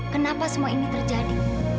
kenapa semua ini terjadi